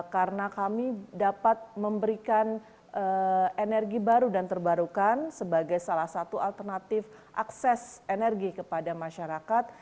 karena kami dapat memberikan energi baru dan terbarukan sebagai salah satu alternatif akses energi kepada masyarakat